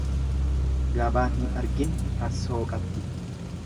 Gabaan hin argin farsoo qabdi.